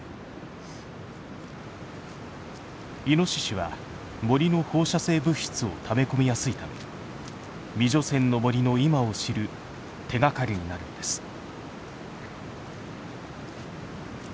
イノシシは森の放射性物質をため込みやすいため未除染の森の今を知る手がかりになるのです。